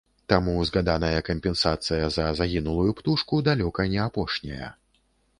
Таму згаданая кампенсацыя за загінулую птушку далёка не апошняя.